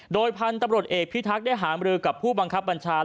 โดยพันธุ์ตำรวจเอกพิทักษ์ได้หามรือกับผู้บังคับบัญชา